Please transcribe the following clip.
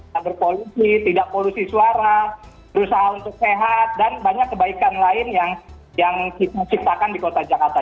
tidak berpolitik tidak polusi suara berusaha untuk sehat dan banyak kebaikan lain yang kita ciptakan di kota jakarta